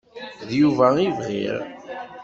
D Yuba i bɣiɣ.